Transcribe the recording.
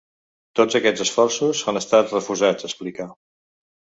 Tots aquests esforços han estat refusats, explica.